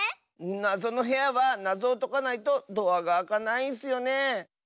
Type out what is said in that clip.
なぞのへやはなぞをとかないとドアがあかないんスよね。